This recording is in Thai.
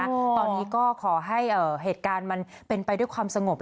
ตอนนี้ก็ขอให้เหตุการณ์มันเป็นไปด้วยความสงบ